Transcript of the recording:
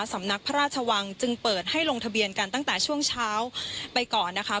สำนักพระราชวังจึงเปิดให้ลงทะเบียนกันตั้งแต่ช่วงเช้าไปก่อนนะคะ